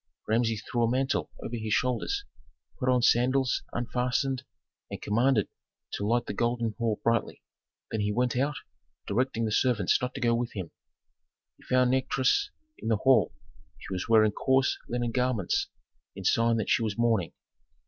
Rameses threw a mantle over his shoulders, put on sandals unfastened and commanded to light the golden hall brightly. Then he went out, directing the servants not to go with him. He found Nikotris in the hall; she was wearing coarse linen garments in sign that she was mourning.